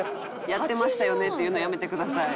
「やってましたよね」って言うのやめてください